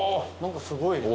何かすごい。